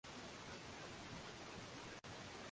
fuatia na aslimia thelathini na nne huku heric onan mbedir